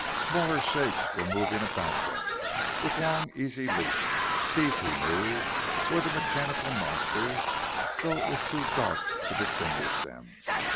Smaller shapes were moving about them, with long easy leaps. These, he knew, were the mechanical monsters, though it was too dark to distinguish them.